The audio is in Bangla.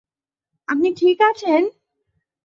আপনি ঠিক আছেন?